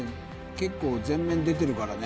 結構全面出てるからね